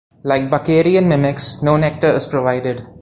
Like Bakerian mimics, no nectar is provided.